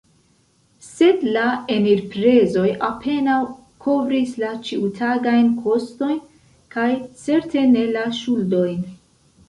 Sed la enirprezoj apenaŭ kovris la ĉiutagajn kostojn kaj certe ne la ŝuldojn.